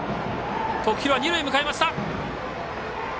徳弘は二塁へ向かいました。